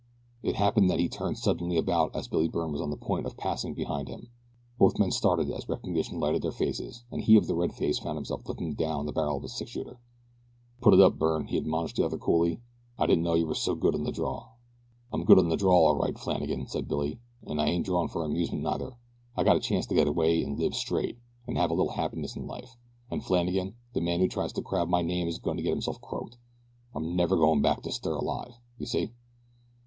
It happened that he turned suddenly about as Billy Byrne was on the point of passing behind him. Both men started as recognition lighted their faces and he of the red face found himself looking down the barrel of a six shooter. "Put it up, Byrne," he admonished the other coolly. "I didn't know you were so good on the draw." "I'm good on the draw all right, Flannagan," said Billy, "and I ain't drawin' for amusement neither. I gotta chance to get away and live straight, and have a little happiness in life, and, Flannagan, the man who tries to crab my game is goin' to get himself croaked. I'll never go back to stir alive. See?"